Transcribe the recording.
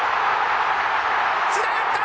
つながった！